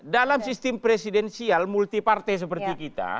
dalam sistem presidensial multi partai seperti kita